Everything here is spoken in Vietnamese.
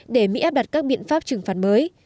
để mỹ áp đặt các biện pháp trừng phạt mới